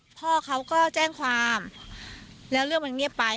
พ่อเขาก็แจ้งความแล้วเรื่องมันเงียบไป